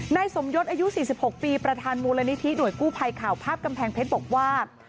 นายสมยศอายุ๔๖ปีประธานมูลนิธิหน่วยกู้ภัยข่าวภาพกำแพงเพชรบอกว่า